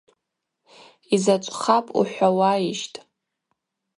Йзачӏвхапӏ ухӏвауаищтӏ?